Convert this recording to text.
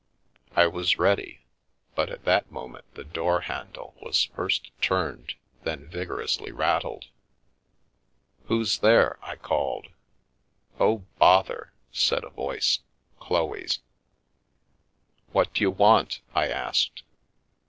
I was ready, but at that moment the door handle was first turned, then vigorously rattled. " Who's there ?" I called. " Oh — bother !" said a voice — Chloe's. What d'you want?" I asked.